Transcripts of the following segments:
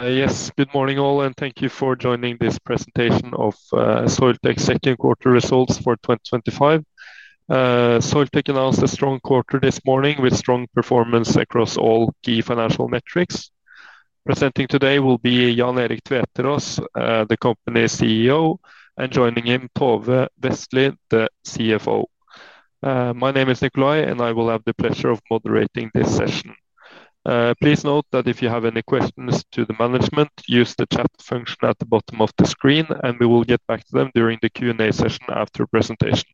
Yes, good morning all, and thank you for joining this presentation of Soiltech's Second Quarter Results for 2025. Soiltech announced a strong quarter this morning with strong performance across all key financial metrics. Presenting today will be Jan Erik Tveteraas, the company's CEO, and joining him Tove Vestlie, the CFO. My name is Nikolay, and I will have the pleasure of moderating this session. Please note that if you have any questions to the management, use the chat function at the bottom of the screen, and we will get back to them during the Q&A session after the presentation.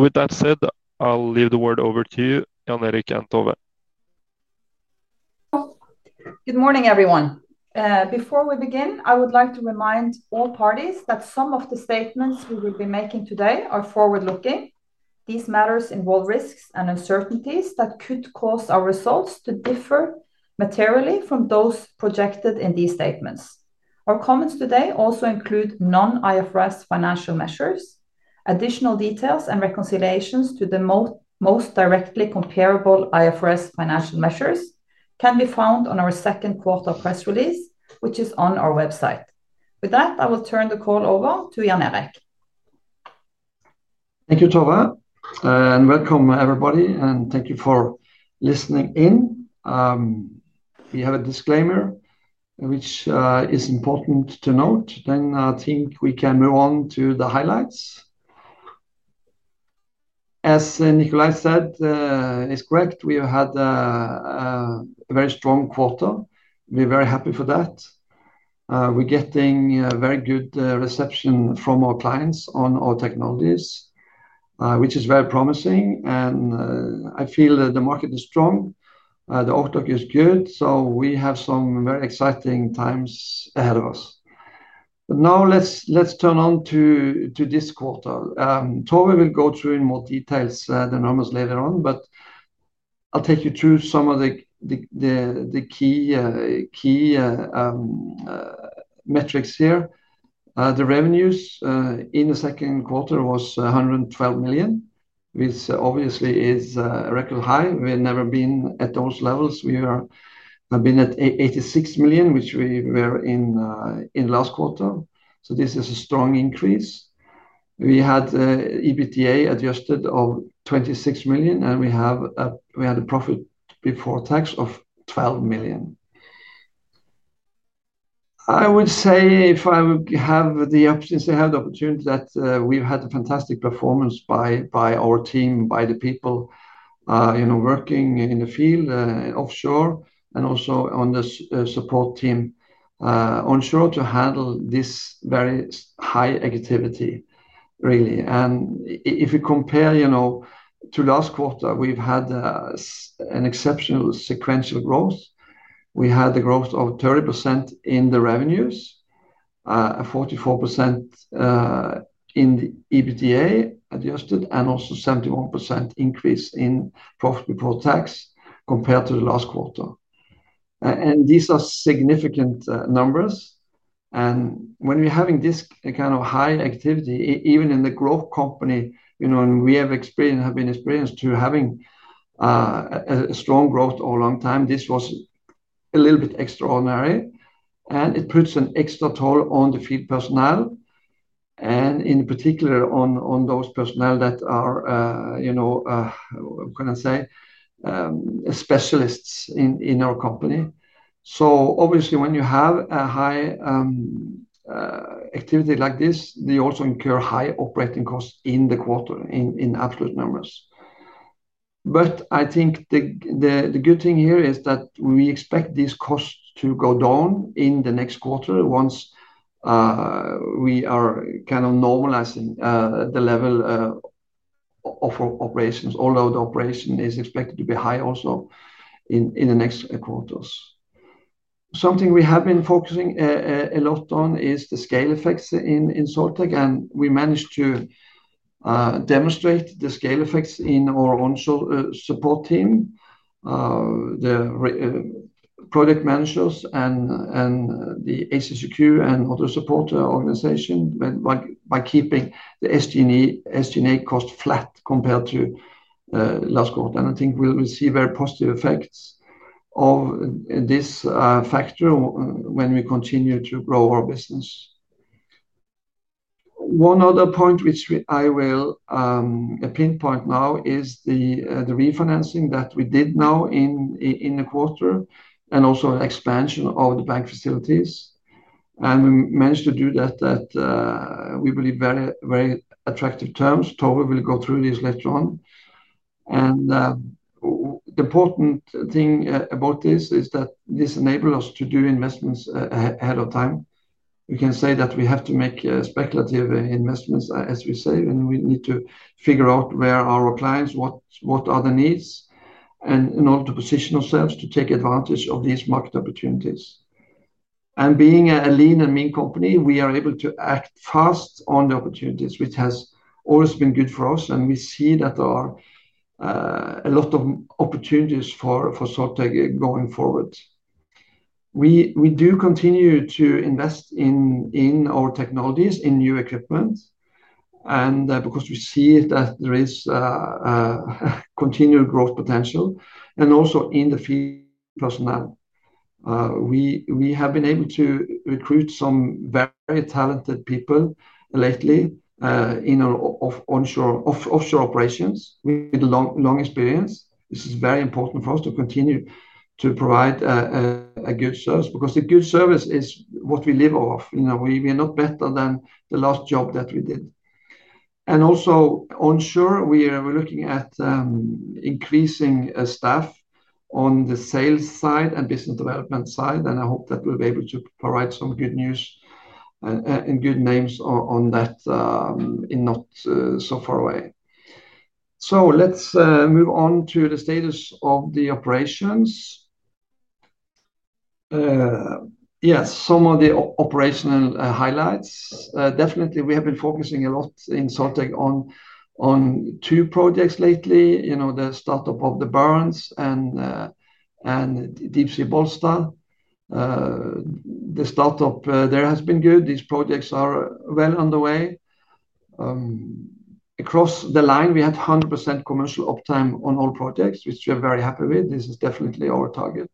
With that said, I'll leave the word over to you, Jan Erik and Tove. Good morning, everyone. Before we begin, I would like to remind all parties that some of the statements we will be making today are forward-looking. These matters involve risks and uncertainties that could cause our results to differ materially from those projected in these statements. Our comments today also include non-IFRS financial measures. Additional details and reconciliations to the most directly comparable IFRS financial measures can be found on our Second Quarter press release, which is on our website. With that, I will turn the call over to Jan Erik. Thank you, Tove, and welcome everybody, and thank you for listening in. We have a disclaimer, which is important to note. I think we can move on to the highlights. As Nikolay said, it's correct, we have had a very strong quarter. We're very happy for that. We're getting a very good reception from our clients on our technologies, which is very promising, and I feel that the market is strong. The outlook is good, we have some very exciting times ahead of us. Now let's turn on to this quarter. Tove will go through in more details than normal later on, but I'll take you through some of the key metrics here. The revenues in the Second Quarter was 112 million, which obviously is a record high. We've never been at those levels. We have been at 86 million, which we were in the last quarter. This is a strong increase. We had EBITDA adjusted of 26 million, and we had a profit before tax of 12 million. I would say if I would have the opportunity to say, I have the opportunity that we've had a fantastic performance by our team, by the people, you know, working in the field, offshore, and also on the support team onshore to handle this very high activity, really. If you compare, you know, to last quarter, we've had an exceptional sequential growth. We had the growth of 30% in the revenues, 44% in the EBITDA adjusted, and also 71% increase in profit before tax compared to the last quarter. These are significant numbers. When we're having this kind of high activity, even in the growth company, you know, and we have been experienced to having a strong growth over a long time, this was a little bit extraordinary. It puts an extra toll on the field personnel, and in particular on those personnel that are, you know, I'm going to say, specialists in our company. Obviously, when you have a high activity like this, they also incur high operating costs in the quarter in absolute numbers. I think the good thing here is that we expect these costs to go down in the next quarter once we are kind of normalizing the level of operations. All of the operation is expected to be high also in the next quarters. Something we have been focusing a lot on is the scale effects in Soiltech, and we managed to demonstrate the scale effects in our own support team, the project managers, and the ACSQ and other support organizations by keeping the SG&A cost flat compared to last quarter. I think we will see very positive effects of this factor when we continue to grow our business. One other point which I will pinpoint now is the refinancing that we did now in the quarter and also an expansion of the bank facilities. We managed to do that at, we believe, very attractive terms. Tove will go through this later on. The important thing about this is that this enables us to do investments ahead of time. We can say that we have to make speculative investments, as we say, and we need to figure out where are our clients, what are the needs, and in order to position ourselves to take advantage of these market opportunities. Being a lean and mean company, we are able to act fast on the opportunities, which has always been good for us. We see that there are a lot of opportunities for Soiltech going forward. We do continue to invest in our technologies, in new equipment, and because we see that there is a continual growth potential, and also in the field personnel. We have been able to recruit some very talented people lately in offshore operations with long experience. This is very important for us to continue to provide a good service because a good service is what we live off. We are not better than the last job that we did. Also onshore, we are looking at increasing staff on the sales side and business development side, and I hope that we'll be able to provide some good news and good names on that in not so far away. Let's move on to the status of the operations. Yes, some of the operational highlights. Definitely, we have been focusing a lot in Soiltech on two projects lately, you know, the startup of the Barents and Deepsea Bollsta. The startup there has been good. These projects are well underway. Across the line, we had 100% commercial uptime on all projects, which we are very happy with. This is definitely our target.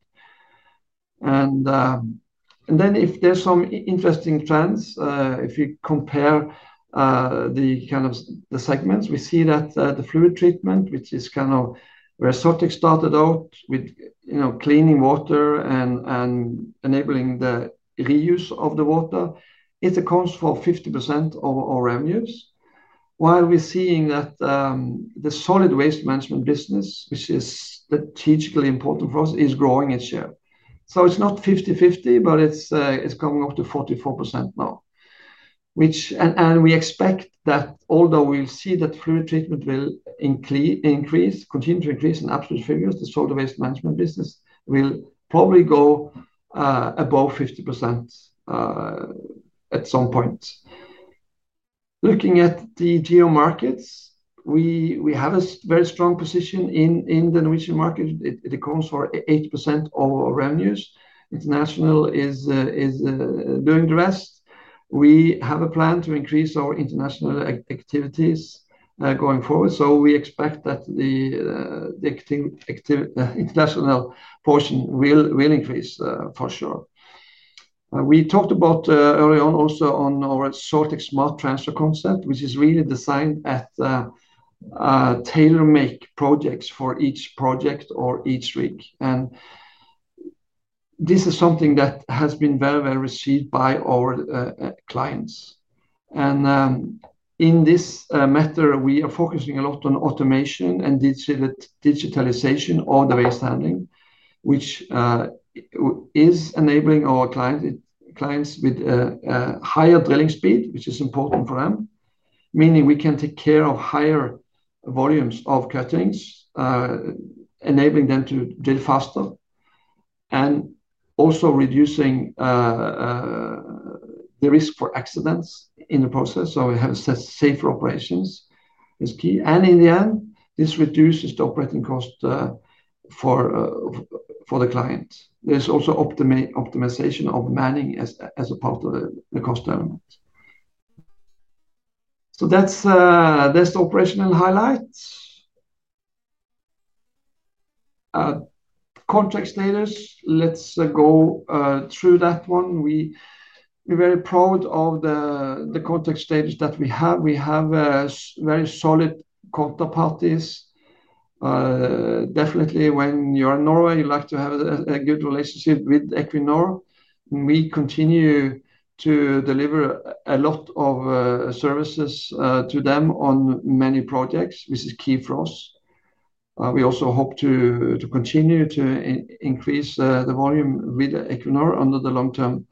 If there's some interesting trends, if you compare the kind of the segments, we see that the fluid treatment, which is kind of where Soiltech started out with, you know, cleaning water and enabling the reuse of the water, it accounts for 50% of our revenues, while we're seeing that the solid waste management business, which is strategically important for us, is growing its share. It's not 50/50, but it's coming up to 44% now. We expect that although we see that fluid treatment will continue to increase in absolute figures, the solid waste management business will probably go above 50% at some point. Looking at the geo markets, we have a very strong position in the Norwegian market. It accounts for 80% of our revenues. International is doing the rest. We have a plan to increase our international activities going forward. We expect that the international portion will increase for sure. We talked about early on also on our Soiltech Smart Transfer concept, which is really designed to tailor-make projects for each project or each rig. This is something that has been very well received by our clients. In this matter, we are focusing a lot on automation and digitalization of the waste handling, which is enabling our clients with a higher drilling speed, which is important for them, meaning we can take care of higher volumes of cuttings, enabling them to drill faster, and also reducing the risk for accidents in the process. We have safer operations. In the end, this reduces the operating cost for the clients. There's also optimization of manning as a part of the cost element. That's the operational highlights. Contract status, let's go through that one. We're very proud of the contract status that we have. We have very solid counterparties. Definitely, when you're in Norway, you like to have a good relationship with Equinor. We continue to deliver a lot of services to them on many projects, which is key for us. We also hope to continue to increase the volume with Equinor under the long-term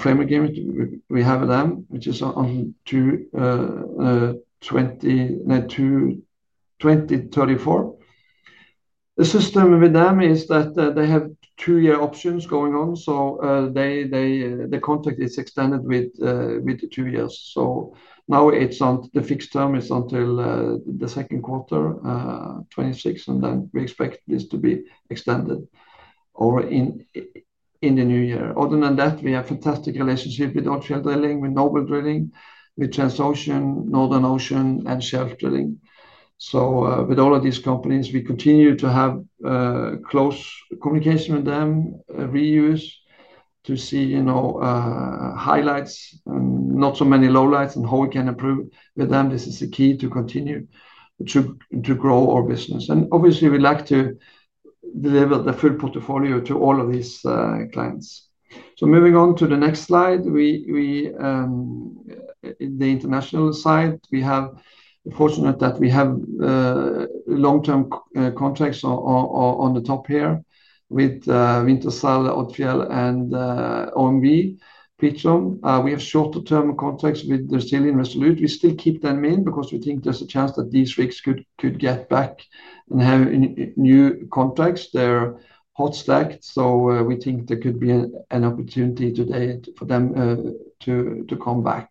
framework agreement we have with them, which is on 2024. The system with them is that they have two-year options going on. The contract is extended with two years. Now the fixed term is until the Second Quarter, 2026, and we expect this to be extended in the new year. Other than that, we have a fantastic relationship with Noble Drilling, with Transocean, Northern Ocean, and Shell Drilling. With all of these companies, we continue to have close communication with them, reuse to see, you know, highlights and not so many lowlights and how we can improve with them. This is the key to continue to grow our business. Obviously, we like to deliver the full portfolio to all of these clients. Moving on to the next slide, the international side, we have the fortune that we have long-term contracts on the top here with Wintershall, Odfjell, and OMV Petrom. We have shorter-term contracts with the Australian Resolute. We still keep them in because we think there's a chance that these rigs could get back and have new contracts. They're hot stacked, so we think there could be an opportunity today for them to come back.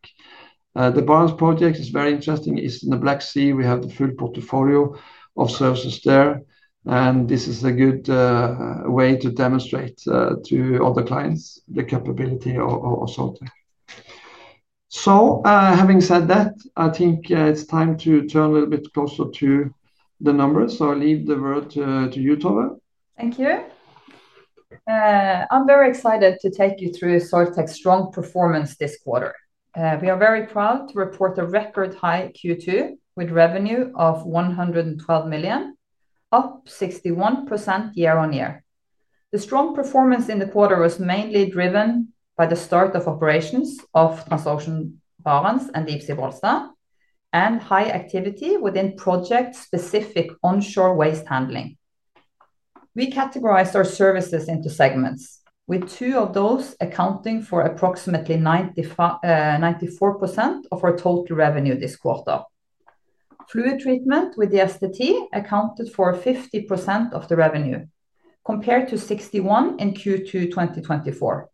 The Barents project is very interesting. It's in the Black Sea. We have the full portfolio of services there, and this is a good way to demonstrate to other clients the capability of Soiltech. Having said that, I think it's time to turn a little bit closer to the numbers. I'll leave the word to you, Tove. Thank you. I'm very excited to take you through Soiltech's strong performance this quarter. We are very proud to report a record high Q2 with revenue of 112 million, up 61% year-on-year. The strong performance in the quarter was mainly driven by the start of operations of Transocean, Barents, and Deepsea Bollsta, and high activity within project-specific onshore waste handling. We categorized our services into segments, with two of those accounting for approximately 94% of our total revenue this quarter. Fluid treatment with the STT accounted for 50% of the revenue, compared to 61% in Q2 2024.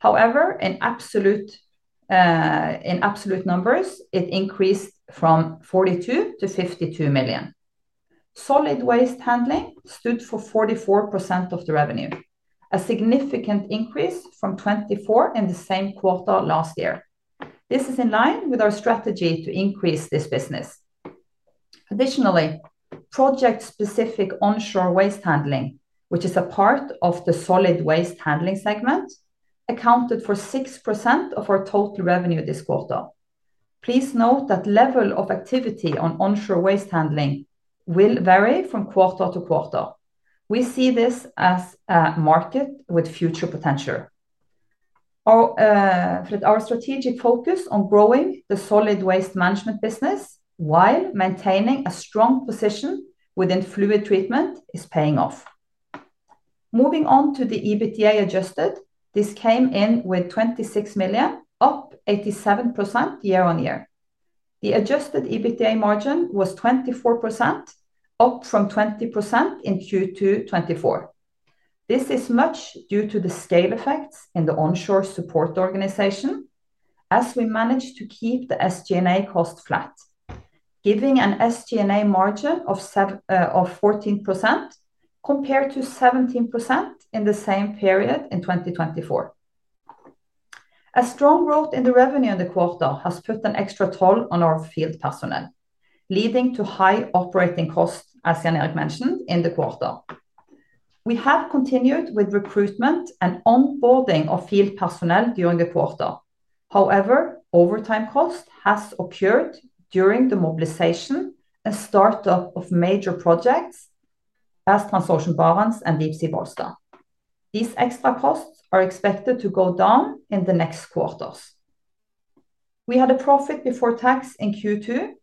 However, in absolute numbers, it increased from 42 million to 52 million. Solid waste handling stood for 44% of the revenue, a significant increase from 24% in the same quarter last year. This is in line with our strategy to increase this business. Additionally, project-specific onshore waste handling, which is a part of the solid waste handling segment, accounted for 6% of our total revenue this quarter. Please note that the level of activity on onshore waste handling will vary from quarter-to-quarter. We see this as a market with future potential. Our strategic focus on growing the solid waste management business while maintaining a strong position within fluid treatment is paying off. Moving on to the EBITDA adjusted, this came in with 26 million, up 87% year-on-year. The adjusted EBITDA margin was 24%, up from 20% in Q2 2024. This is much due to the scale effects in the onshore support organization, as we managed to keep the SG&A cost flat, giving an SG&A margin of 14% compared to 17% in the same period in 2024. A strong growth in the revenue in the quarter has put an extra toll on our field personnel, leading to high operating costs, as Jan Erik mentioned, in the quarter. We have continued with recruitment and onboarding of field personnel during the quarter. However, overtime costs have occurred during the mobilization and startup of major projects as Transocean, Barents, and Deepsea Bollsta. These extra costs are expected to go down in the next quarters. We had a profit before tax in Q2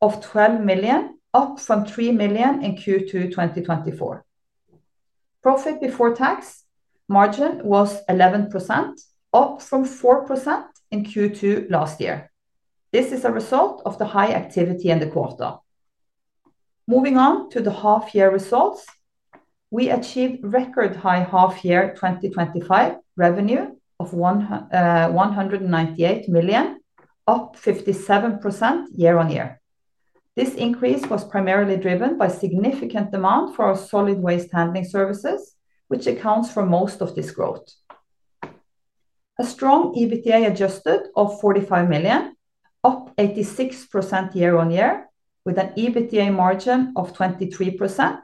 of 12 million, up from 3 million in Q2 2024. Profit before tax margin was 11%, up from 4% in Q2 last year. This is a result of the high activity in the quarter. Moving on to the half-year results, we achieved record high half-year 2025 revenue of 198 million, up 57% year-on-year. This increase was primarily driven by a significant amount for our solid waste handling services, which accounts for most of this growth. A strong EBITDA adjusted of 45 million, up 86% year-on-year, with an EBITDA margin of 23%,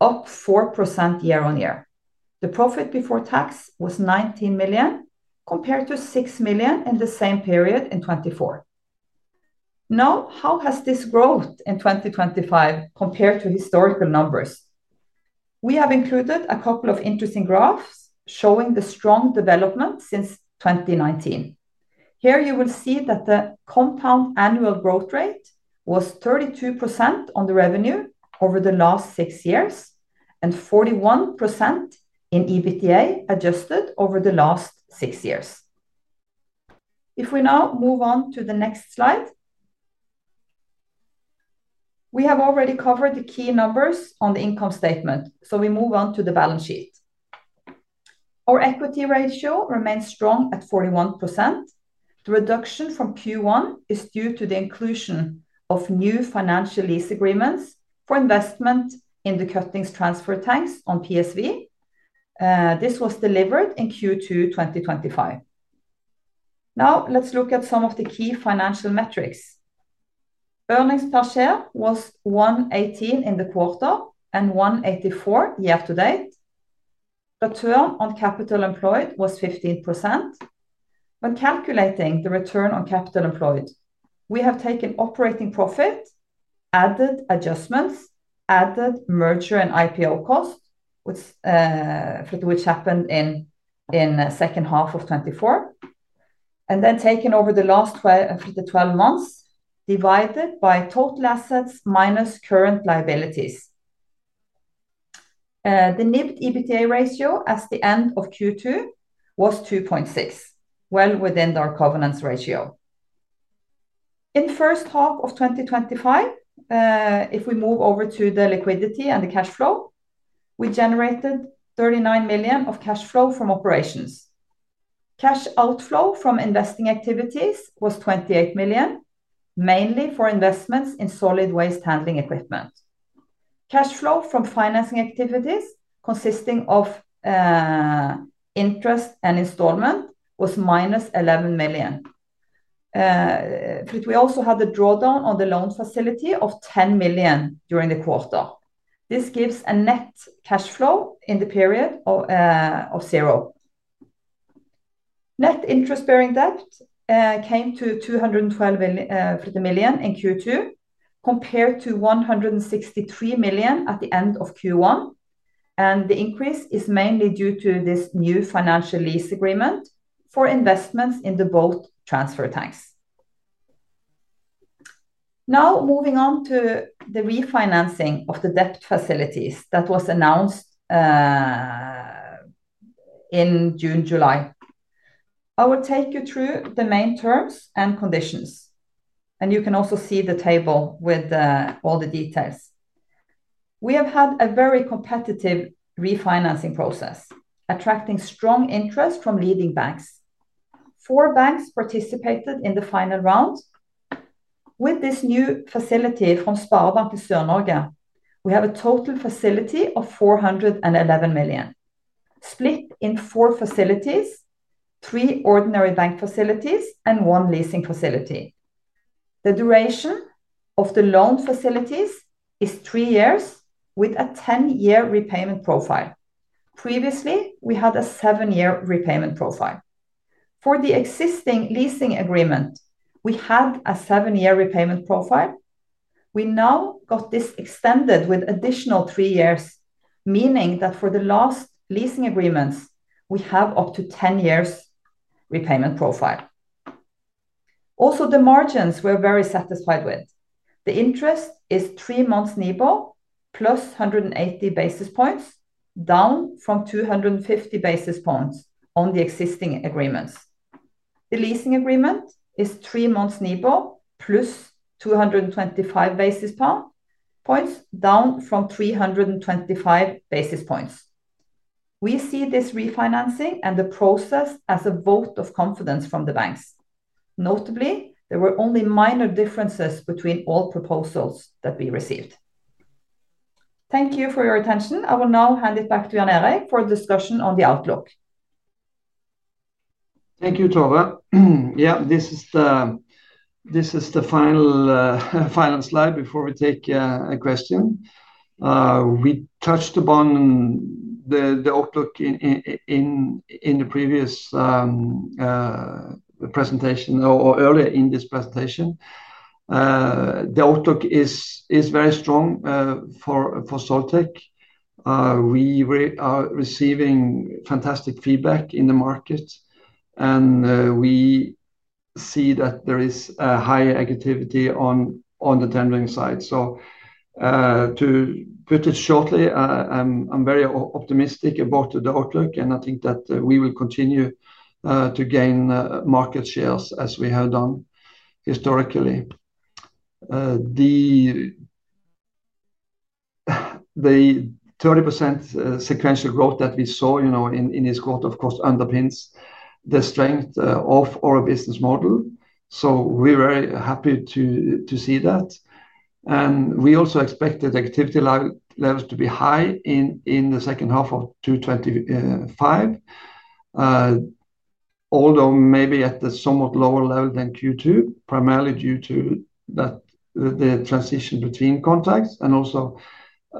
up 4% year-on-year. The profit before tax was 19 million, compared to 6 million in the same period in 2024. Now, how has this growth in 2025 compared to historical numbers? We have included a couple of interesting graphs showing the strong development since 2019. Here you will see that the compound annual growth rate was 32% on the revenue over the last six years, and 41% in EBITDA adjusted over the last six years. If we now move on to the next slide, we have already covered the key numbers on the income statement, so we move on to the balance sheet. Our equity ratio remains strong at 41%. The reduction from Q1 is due to the inclusion of new financial lease agreements for investment in the cuttings transfer tanks on PSV. This was delivered in Q2 2025. Now let's look at some of the key financial metrics. Earnings per share was 1.18 in the quarter and 1.84 year to date. Return on capital employed was 15%. When calculating the return on capital employed, we have taken operating profit, added adjustments, added merger and IPO costs, which happened in the second half of 2024, and then taken over the last 12 months, divided by total assets minus current liabilities. The NIB EBITDA ratio at the end of Q2 was 2.6, well within our covenants ratio. In the first half of 2025, if we move over to the liquidity and the cash flow, we generated 39 million of cash flow from operations. Cash outflow from investing activities was 28 million, mainly for investments in solid waste handling equipment. Cash flow from financing activities consisting of interest and installment was minus 11 million. We also had a drawdown on the loan facility of 10 million during the quarter. This gives a net cash flow in the period of zero. Net interest-bearing debt came to 212 million in Q2, compared to 163 million at the end of Q1, and the increase is mainly due to this new financial lease agreement for investments in the boat transfer tanks. Now moving on to the refinancing of the debt facilities that was announced in June, July, I will take you through the main terms and conditions, and you can also see the table with all the details. We have had a very competitive refinancing process, attracting strong interest from leading banks. Four banks participated in the final round. With this new facility from SpareBank 1 Sør-Norge, we have a total facility of 411 million, split in four facilities, three ordinary bank facilities, and one leasing facility. The duration of the loan facilities is three years, with a 10-year repayment profile. Previously, we had a seven-year repayment profile. For the existing leasing agreement, we had a seven-year repayment profile. We now got this extended with additional three years, meaning that for the last leasing agreements, we have up to a 10-year repayment profile. Also, the margins we're very satisfied with. The interest is three months NIBOR plus 180 basis points, down from 250 basis points on the existing agreements. The leasing agreement is three months NIBOR plus 225 basis points, down from 325 basis points. We see this refinancing and the process as a vote of confidence from the banks. Notably, there were only minor differences between all proposals that we received. Thank you for your attention. I will now hand it back to Jan Erik for a discussion on the outlook. Thank you, Tove. Yeah, this is the final slide before we take a question. We touched upon the outlook in the previous presentation or earlier in this presentation. The outlook is very strong for Soiltech. We are receiving fantastic feedback in the market, and we see that there is a higher activity on the tendering side. To put it shortly, I'm very optimistic about the outlook, and I think that we will continue to gain market shares as we have done historically. The 30% sequential growth that we saw in this quarter, of course, underpins the strength of our business model. We're very happy to see that. We also expect the activity levels to be high in the second half of 2025, although maybe at a somewhat lower level than Q2, primarily due to the transition between contracts and also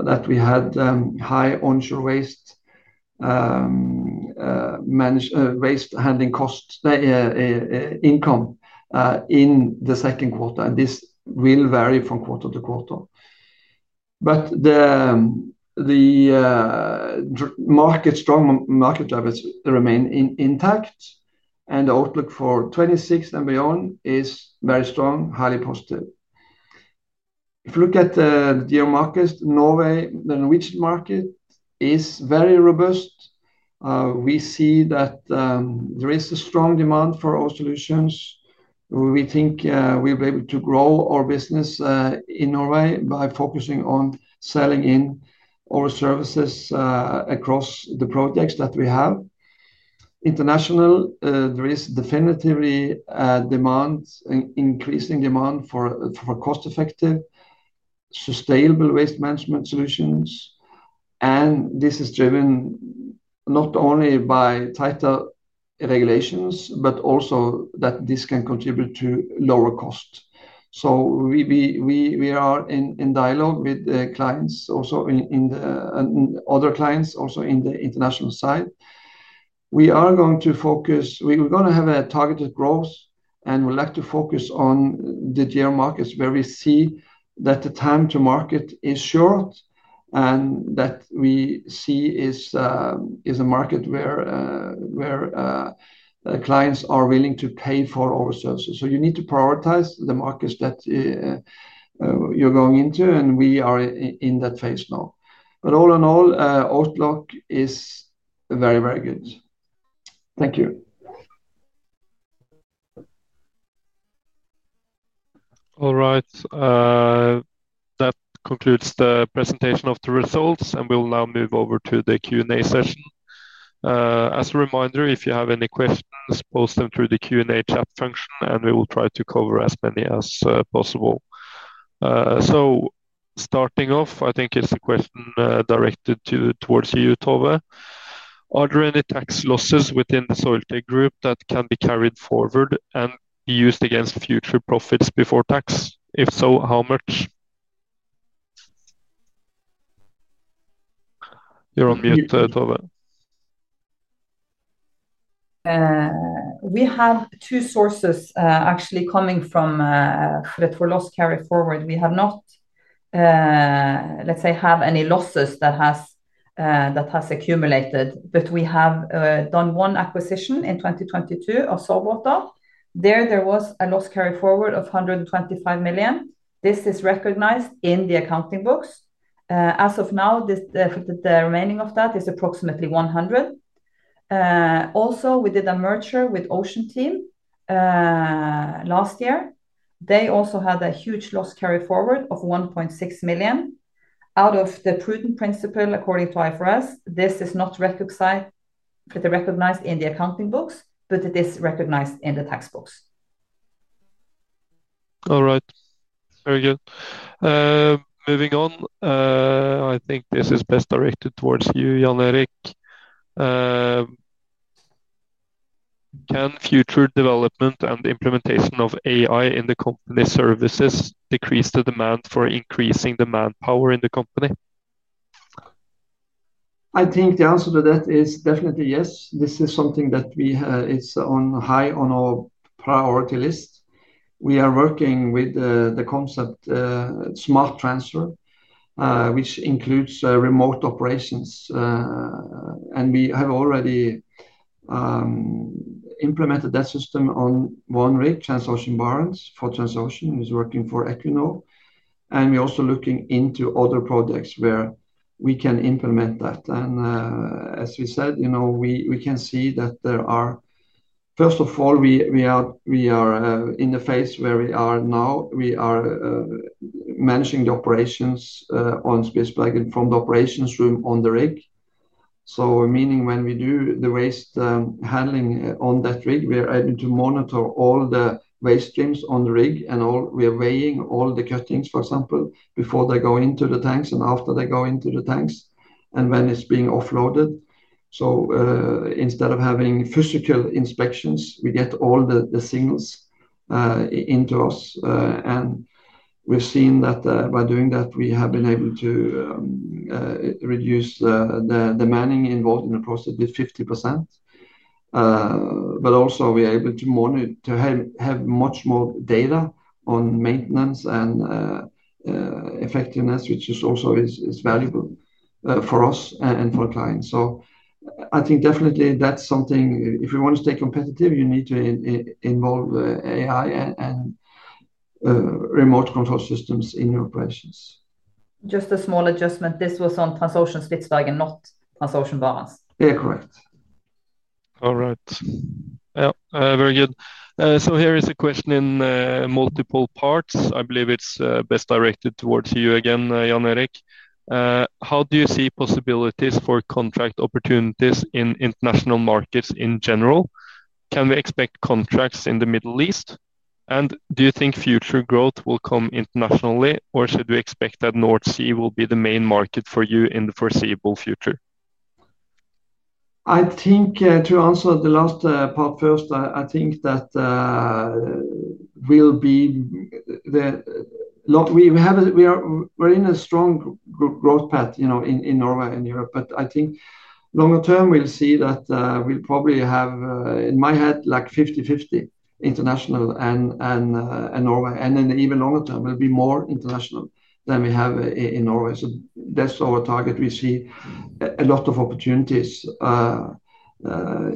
that we had high onshore waste handling cost income in the Second Quarter. This will vary from quarter-to-quarter. The strong market drivers remain intact, and the outlook for 2026 and beyond is very strong, highly positive. If you look at the geo markets, Norway, the Norwegian market is very robust. We see that there is a strong demand for our solutions. We think we'll be able to grow our business in Norway by focusing on selling in our services across the projects that we have. Internationally, there is definitely increasing demand for cost-effective, sustainable waste management solutions. This is driven not only by tighter regulations, but also that this can contribute to lower costs. We are in dialogue with the clients, also in the other clients, also in the international side. We are going to focus, we're going to have a targeted growth, and we'd like to focus on the geo markets where we see that the time to market is short and that we see is a market where clients are willing to pay for our services. You need to prioritize the markets that you're going into, and we are in that phase now. All in all, our outlook is very, very good. Thank you. All right. That concludes the presentation of the results, and we'll now move over to the Q&A session. As a reminder, if you have any questions, post them through the Q&A chat function, and we will try to cover as many as possible. Starting off, I think it's a question directed towards you, Tove. Are there any tax losses within the Soiltech group that can be carried forward and be used against future profits before tax? If so, how much? You're on mute, Tove. We have two sources actually coming from for loss carry forward. We have not, let's say, had any losses that have accumulated, but we have done one acquisition in 2022 of Sorbwater. There was a loss carry forward of 125 million. This is recognized in the accounting books. As of now, the remaining of that is approximately 100 million. Also, we did a merger with Oceanteam last year. They also had a huge loss carry forward of 1.6 million. Out of the prudent principle, according to IFRS, this is not recognized in the accounting books, but it is recognized in the tax books. All right. Very good. Moving on, I think this is best directed towards you, Jan Erik. Can future development and implementation of AI in the company services decrease the demand for increasing the manpower in the company? I think the answer to that is definitely yes. This is something that is high on our priority list. We are working with the concept of Smart Transfer, which includes remote operations. We have already implemented that system on one rig, Transocean Spitsbergen, for Transocean. It's working for Equinor. We're also looking into other projects where we can implement that. As we said, we can see that there are, first of all, we are in the phase where we are now. We are managing the operations on Spitsbergen from the operations room on the rig, meaning when we do the waste handling on that rig, we're able to monitor all the waste streams on the rig, and we're weighing all the cuttings, for example, before they go into the tanks and after they go into the tanks, and when it's being offloaded. Instead of having physical inspections, we get all the signals into us. We've seen that by doing that, we have been able to reduce the manning involved in the process by 50%. We're also able to have much more data on maintenance and effectiveness, which is also valuable for us and for our clients. I think definitely that's something, if you want to stay competitive, you need to involve AI and remote control systems in your operations. Just a small adjustment. This was on Transocean Spitsbergen, not Transocean Barents. Yeah, correct. All right. Very good. Here is a question in multiple parts. I believe it's best directed towards you again, Jan Erik. How do you see possibilities for contract opportunities in international markets in general? Can we expect contracts in the Middle East? Do you think future growth will come internationally, or should we expect that North Sea will be the main market for you in the foreseeable future? I think to answer the last part first, I think that we're in a strong growth path in Norway and Europe. I think longer term, we'll see that we'll probably have, in my head, like 50/50 international and Norway. Even longer term, we'll be more international than we have in Norway. That's our target. We see a lot of opportunities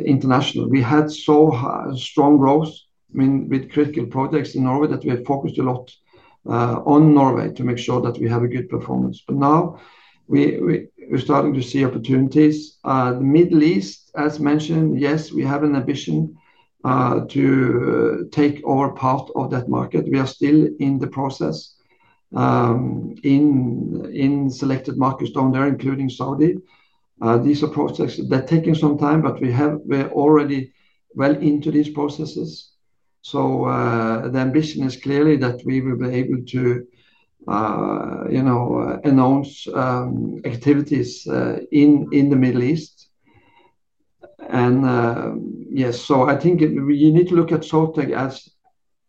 internationally. We had so strong growth with critical projects in Norway that we have focused a lot on Norway to make sure that we have a good performance. Now we're starting to see opportunities. The Middle East, as mentioned, yes, we have an ambition to take our part of that market. We are still in the process in selected markets down there, including Saudi. These are processes that are taking some time, but we're already well into these processes. The ambition is clearly that we will be able to announce activities in the Middle East. I think you need to look at Soiltech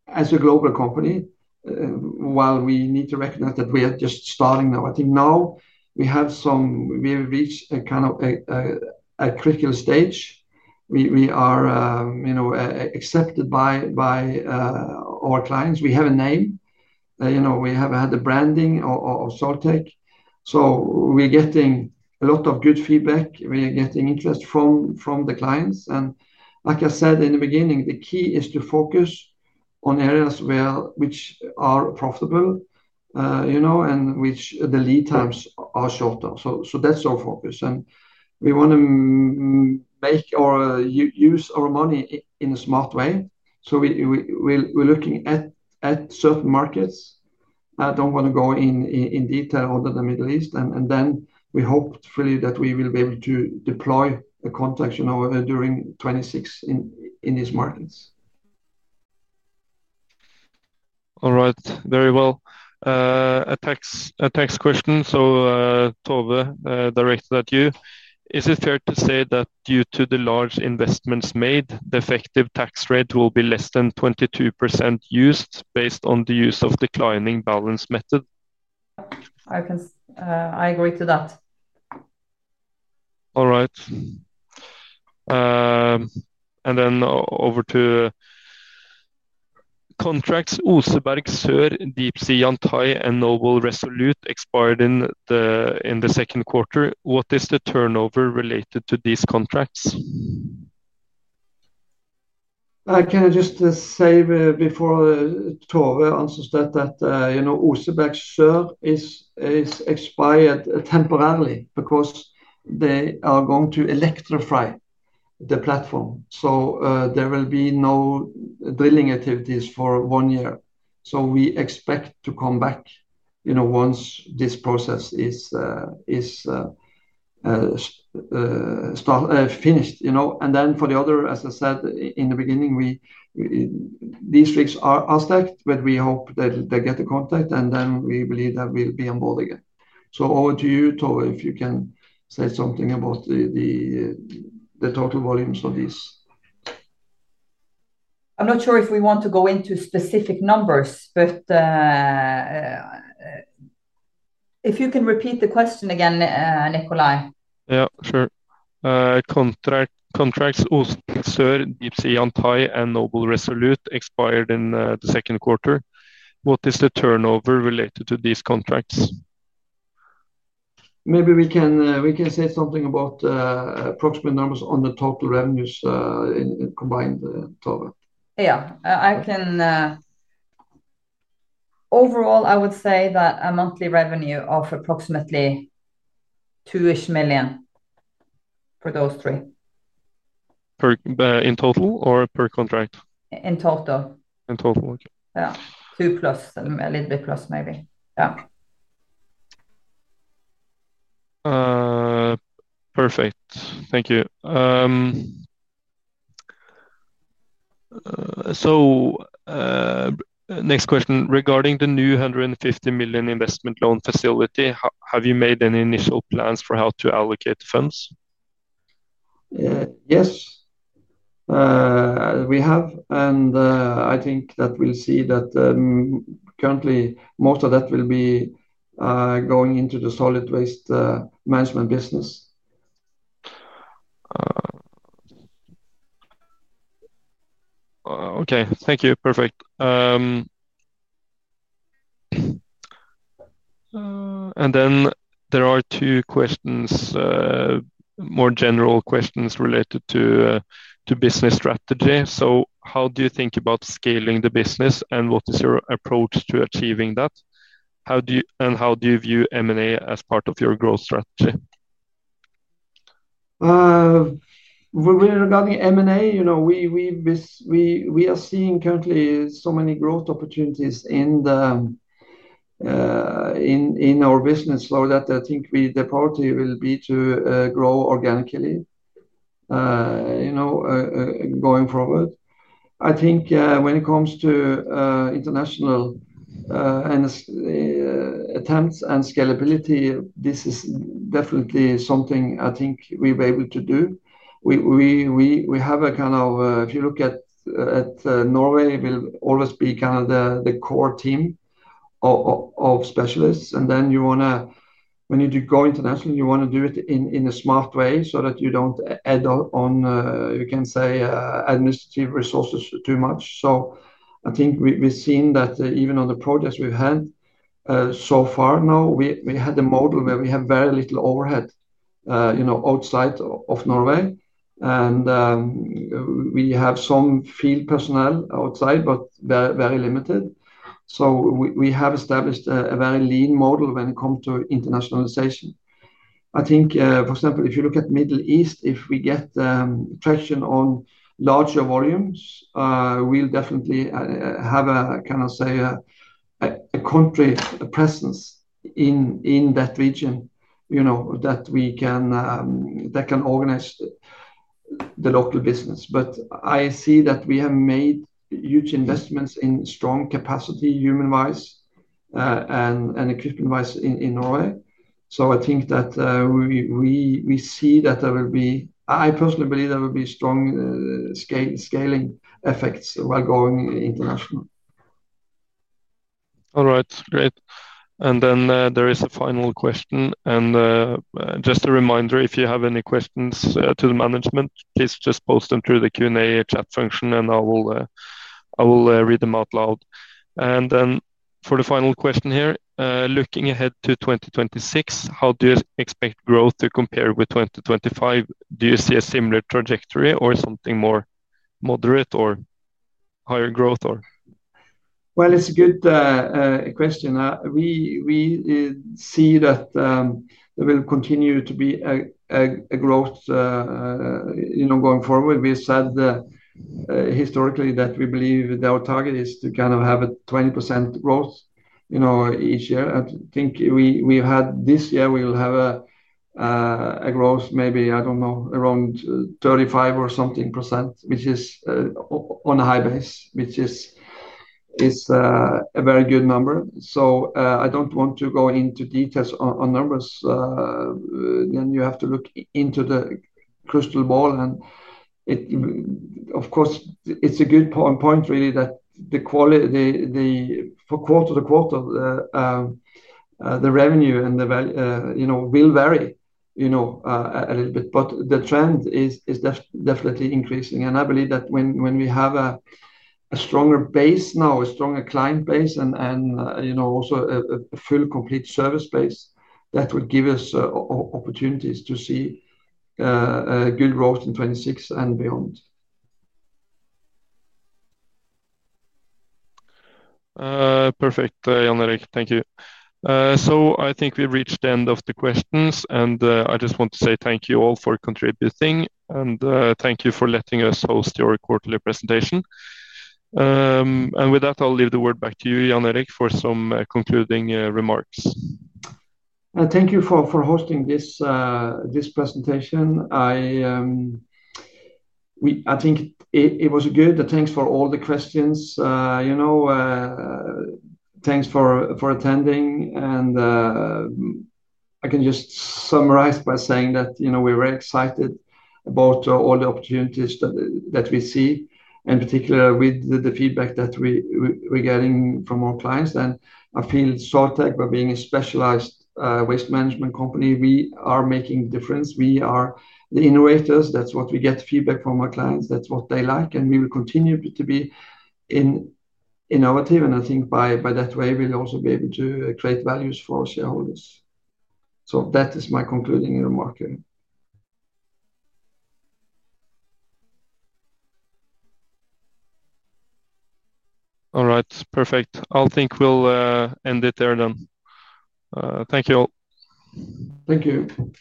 as a global company, while we need to recognize that we are just starting now. I think now we have some, we've reached a kind of a critical stage. We are accepted by our clients. We have a name. We have had the branding of Soiltech. We're getting a lot of good feedback. We're getting interest from the clients. Like I said in the beginning, the key is to focus on areas which are profitable, you know, and which the lead times are shorter. That's our focus. We want to make or use our money in a smart way. We're looking at certain markets. I don't want to go in detail other than the Middle East. We hopefully that we will be able to deploy a contact during 2026 in these markets. All right. Very well. A tax question. Tove, directed at you. Is it fair to say that due to the large investments made, the effective tax rate will be less than 22% used based on the use of declining balance method? I agree to that. All right. Over to contracts. Oseberg Sør, Deepsea Bollsta, Antai, and Noble Resolute expired in the Second Quarter. What is the turnover related to these contracts? Can I just say before Tove answers that you know Oseberg Sør is expired temporarily because they are going to electrify the platform. There will be no drilling activities for one year. We expect to come back once this process is finished, you know. For the other, as I said in the beginning, these rigs are stacked, but we hope that they get the contact, and we believe that we'll be on board again. Over to you, Tove, if you can say something about the total volumes of these. I'm not sure if we want to go into specific numbers, but if you can repeat the question again, Nikolay. Yeah, sure. Contracts. Oseberg Sør, Deepsea Bollsta, Antai, and Noble Resolute expired in the Second Quarter. What is the turnover related to these contracts? Maybe we can say something about approximate numbers on the total revenues combined, Tove. Overall, I would say that a monthly revenue of approximately NOK 2 million for those three. In total or per contract? In total. In total, okay. Yeah, two plus, a little bit plus maybe. Yeah. Perfect. Thank you. Next question. Regarding the new 150 million investment loan facility, have you made any initial plans for how to allocate funds? Yes, we have. I think that we'll see that currently, most of that will be going into the solid waste management business. Thank you. Perfect. There are two questions, more general questions related to business strategy. How do you think about scaling the business, and what is your approach to achieving that? How do you view M&A as part of your growth strategy? Regarding M&A, you know, we are seeing currently so many growth opportunities in our business flow that I think the priority will be to grow organically going forward. I think when it comes to international attempts and scalability, this is definitely something I think we'll be able to do. We have a kind of, if you look at Norway, we'll always be kind of the core team of specialists. You want to, when you do go international, you want to do it in a smart way so that you don't add on, you can say, administrative resources too much. I think we've seen that even on the projects we've had so far now, we had a model where we have very little overhead outside of Norway. We have some field personnel outside, but very limited. We have established a very lean model when it comes to internationalization. I think, for example, if you look at the Middle East, if we get traction on larger volumes, we'll definitely have a kind of, say, a country presence in that region, you know, that we can organize the local business. I see that we have made huge investments in strong capacity human-wise and equipment-wise in Norway. I think that we see that there will be, I personally believe there will be strong scaling effects while going international. All right. Great. There is a final question. Just a reminder, if you have any questions to the management, please just post them through the Q&A chat function, and I will read them out loud. For the final question here, looking ahead to 2026, how do you expect growth to compare with 2025? Do you see a similar trajectory or something more moderate or higher growth? It's a good question. We see that there will continue to be a growth going forward. We said historically that we believe that our target is to kind of have a 20% growth each year. I think we've had this year, we will have a growth, maybe, I don't know, around 35% or something, which is on a high base, which is a very good number. I don't want to go into details on numbers. You have to look into the crystal ball. Of course, it's a good point, really, that the quarter-to-quarter, the revenue and the value will vary, you know, a little bit. The trend is definitely increasing. I believe that when we have a stronger base now, a stronger client base, and you know, also a full complete service base, that would give us opportunities to see good growth in 2026 and beyond. Perfect, Jan Erik. Thank you. I think we've reached the end of the questions, and I just want to say thank you all for contributing, and thank you for letting us host your quarterly presentation. With that, I'll leave the word back to you, Jan Erik, for some concluding remarks. Thank you for hosting this presentation. I think it was good. Thanks for all the questions. Thanks for attending. I can just summarize by saying that we're very excited about all the opportunities that we see, in particular with the feedback that we're getting from our clients. I feel Soiltech, by being a specialized waste management company, is making a difference. We are the innovators. That's what we get feedback from our clients. That's what they like. We will continue to be innovative. I think by that way, we'll also be able to create values for our shareholders. That is my concluding remark. All right. Perfect. I think we'll end it there then. Thank you all. Thank you.